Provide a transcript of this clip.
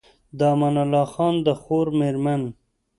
د امان الله خان د خور مېرمن